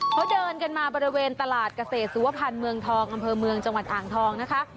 เขาเดินกันมาบริเวณตลาดเกษตรสุวพันธ์เมืองทองอำเภอเมืองจังหวัดอ่างทองนะคะ